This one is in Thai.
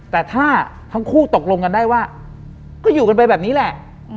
แต่ถ้าทั้งคู่ตกลงกันได้ว่าก็อยู่กันไปแบบนี้แหละ